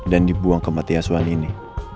dan dibuang kematiasuan ini